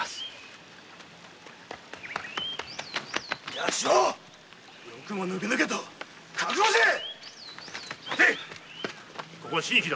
よくもぬけぬけと覚悟せい待て